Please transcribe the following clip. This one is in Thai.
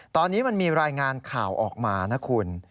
ตอนนี้มันมีรายงานข่าวออกมานะคุณ